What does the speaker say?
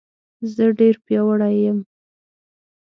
زه ډېر پیاوړی یم